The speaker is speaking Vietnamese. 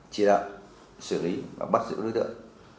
chỉ đạo xử lý và bắt giữ đối tượng